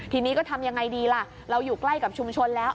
ทีนี้ก็ทำยังไงดีล่ะเราอยู่ใกล้กับชุมชนแล้ว